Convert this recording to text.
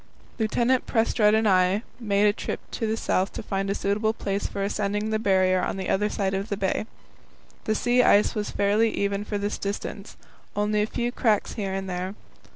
Lieutenant Prestrud and I made a trip to the south to find a suitable place for ascending the Barrier on the other side of the bay. The sea ice was fairly even for this distance; only a few cracks here and there.